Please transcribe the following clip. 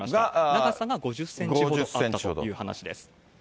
長さが５０センチほどあったという話です。